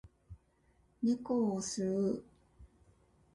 猫を吸う